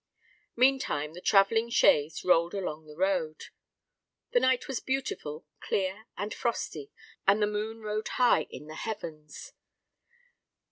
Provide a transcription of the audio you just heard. Meantime the travelling chaise rolled along the road. The night was beautiful, clear, and frosty; and the moon rode high in the heavens.